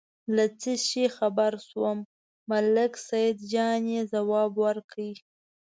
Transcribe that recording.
له څه شي خبر شوم، ملک سیدجان یې ځواب ورکړ.